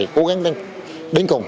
cố gắng đến cùng